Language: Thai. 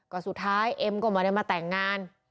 ก็สุดท้ายเอ็มก็ไม่ได้มาแต่งงาน